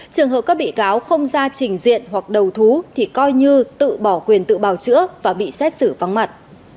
trường hợp các bị cáo không ra trình diện hoặc đầu thú thì coi như tự bỏ quyền tự bào chữa và bị xét xử vắng mặt